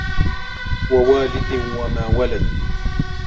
ووالد وما ولد